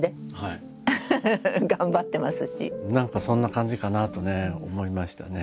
何かそんな感じかなとね思いましたね。